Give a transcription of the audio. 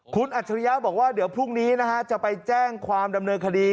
คุณอัจฉริยะบอกว่าเดี๋ยวพรุ่งนี้นะฮะจะไปแจ้งความดำเนินคดี